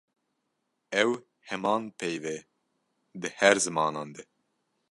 Ew heman peyv e di her zimanan de.